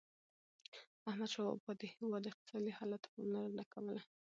احمدشاه بابا د هیواد اقتصادي حالت ته پاملرنه کوله.